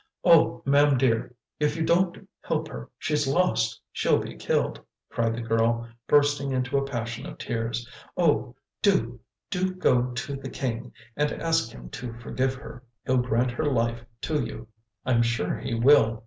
"O mam dear, if you don't help her, she's lost, she'll be killed!" cried the girl, bursting into a passion of tears. "Oh! do, do go to the king, and ask him to forgive her. He'll grant her life to you. I'm sure he will.